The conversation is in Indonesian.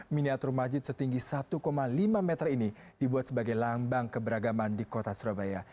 miniatur majid setinggi satu lima meter ini dibuat sebagai lambang keberagaman di kota surabaya